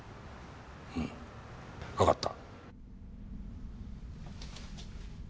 うんわかった。